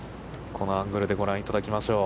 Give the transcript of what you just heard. このアングルでご覧いただきましょう。